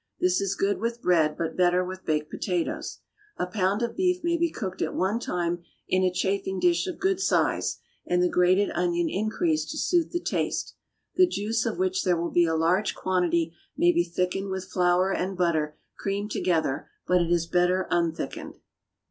This is good with bread, but better with baked potatoes. A pound of beef may be cooked at one time in a chafing dish of good size, and the grated onion increased to suit the taste. The juice, of which there will be a large quantity, may be thickened with flour and butter creamed together; but it is better unthickened.